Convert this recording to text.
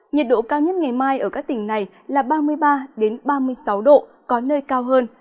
nhiệt độ cao nhất ngày mai ở các tỉnh này là ba mươi ba ba mươi sáu độ có nơi cao hơn